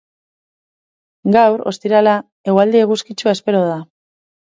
Gaur, ostirala, eguraldi eguzkitsua espero da.